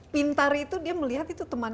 pintar itu dia melihat itu teman